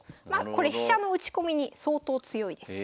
これ飛車の打ち込みに相当強いです。